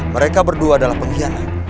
mereka berdua adalah pengkhianat